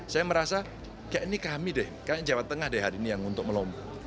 saya merasa kayak ini kami deh kayaknya jawa tengah deh hari ini yang untuk melombo